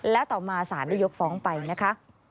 และต่อมาศาลได้ยกฟ้องไปนะคะ